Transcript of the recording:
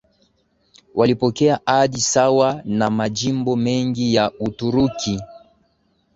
walipokea hadhi sawa na majimbo mengine ya Uturuki